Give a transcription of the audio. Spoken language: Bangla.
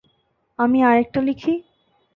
আমি আরেকটা লিখি?